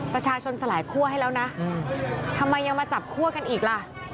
สลายคั่วให้แล้วนะทำไมยังมาจับคั่วกันอีกล่ะ